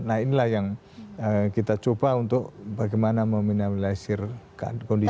nah inilah yang kita coba untuk bagaimana meminimalisir kondisi